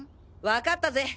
分かったぜ！